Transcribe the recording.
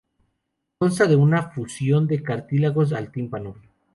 Consta de una fusión de cartílagos al tímpano.